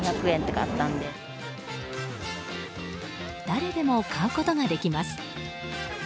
誰でも買うことができます。